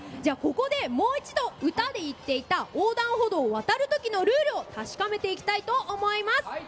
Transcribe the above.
ここでもう一度、歌で言っていた横断歩道を渡るときのルール確かめていきたいと思います。